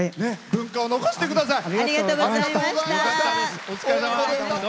文化を残してください。